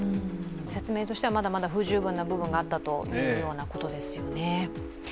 説明としては、まだまだ不十分な部分があったということですね。